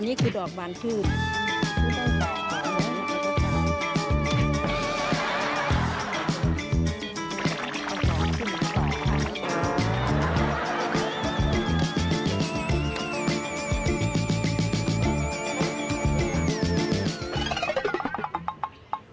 อันนี้คือดอกบานพืช